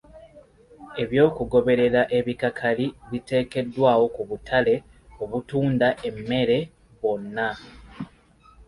Eby'okugoberera ebikakali, biteekeddwawo ku butale obutunda emmere bwonna.